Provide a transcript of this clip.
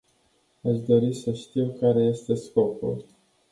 Aș dori să știu care este scopul.